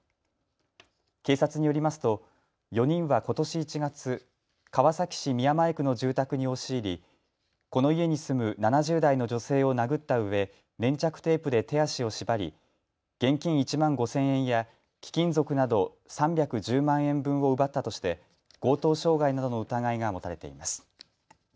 警察によりますと、４人はことし１月、川崎市宮前区の住宅に押し入り、この家に住む７０代の女性を殴ったうえ粘着テープで手足を縛り現金１万５０００円や貴金属など３１０万円分を奪ったとして強盗傷害などの疑いが持たれています。